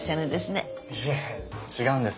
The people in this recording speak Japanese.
いえ違うんです。